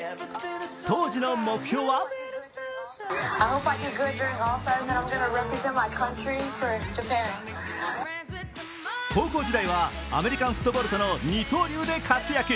当時の目標は高校時代はアメリカンフットボールとの二刀流で活躍。